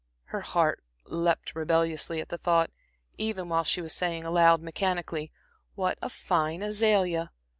Her heart leaped rebelliously at the thought, even while she was saying aloud mechanically: "'What a fine azalea!'